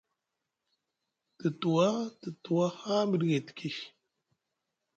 Te tuwa te tuwa haa mɗi gay tiki.